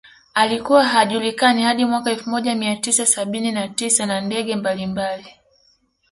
Alikuwa hajulikani hadi mwaka elfu moja mia tisa sabini na tisa na ndege mbalimbali